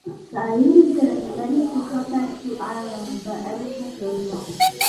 Saeed is getting ready to come back to Iran but everything goes wrong.